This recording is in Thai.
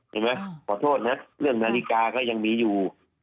เห็นไหมขอโทษนะเรื่องนาฬิกาก็ยังมีอยู่